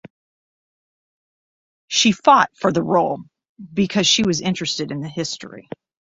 She fought for the role because she was interested in the history.